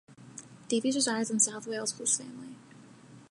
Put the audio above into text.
Davies resides in South Wales with his family.